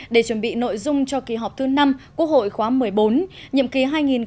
để chuẩn bị nội dung cho kỳ họp thứ năm quốc hội khóa một mươi bốn nhiệm kỳ hai nghìn một mươi sáu hai nghìn hai mươi một